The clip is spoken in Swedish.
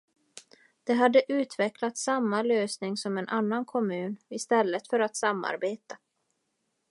De hade utvecklat samma lösning som en annan kommun istället för att samarbeta.